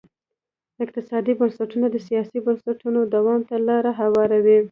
اقتصادي بنسټونه د سیاسي بنسټونو دوام ته لار هواروي.